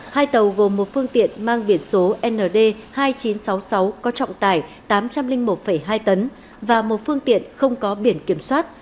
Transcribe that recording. hai tàu gồm một phương tiện mang biển số nd hai nghìn chín trăm sáu mươi sáu có trọng tải tám trăm linh một hai tấn và một phương tiện không có biển kiểm soát